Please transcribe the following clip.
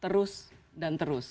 terus dan terus